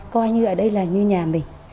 coi như ở đây là như nhà mình